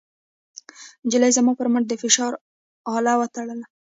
نجلۍ زما پر مټ د فشار اله وتړله.